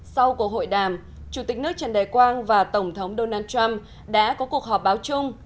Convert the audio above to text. sau cuộc hội đàm chủ tịch nước trần đại quang và tổng thống donald trump đã có cuộc họp báo chung